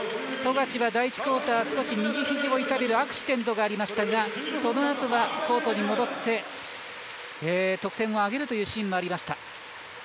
富樫は第１クオーター少し右肘を痛めるアクシデントがありましたがそのあとは、コートに戻って得点を挙げるというシーンもありました。